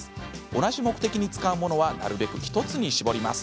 同じ目的に使うものはなるべく１つに絞ります。